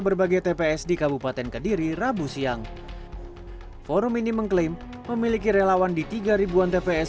berbagai tps di kabupaten kediri rabu siang forum ini mengklaim memiliki relawan di tiga ribuan tps